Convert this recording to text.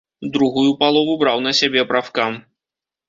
Другую палову браў на сябе прафкам.